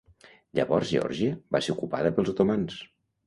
Llavors Geòrgia va ser ocupada pels otomans.